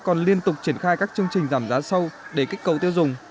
còn liên tục triển khai các chương trình giảm giá sâu để kích cầu tiêu dùng